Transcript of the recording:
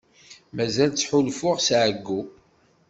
Mazal ttḥulfuɣ s εeyyu.